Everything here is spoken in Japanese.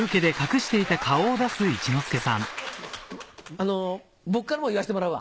あの僕からも言わしてもらうわ。